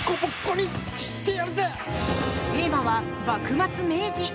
テーマは幕末明治。